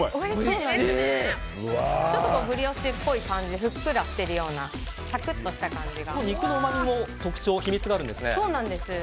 ちょっとブリオッシュっぽい感じふっくらしてるような肉のうまみにも特徴、秘密があるんですよね。